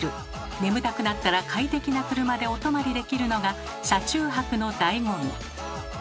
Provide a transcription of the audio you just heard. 眠たくなったら快適な車でお泊まりできるのが車中泊のだいご味。